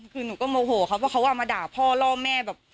คือหนูก็โมโหครับเพราะเขาเอามาด่าพ่อล่อแม่แบบ